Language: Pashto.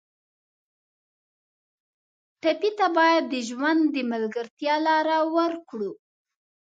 ټپي ته باید د ژوند د ملګرتیا لاره ورکړو.